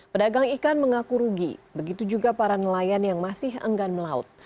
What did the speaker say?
pedagang ikan mengaku rugi begitu juga para nelayan yang masih enggan melaut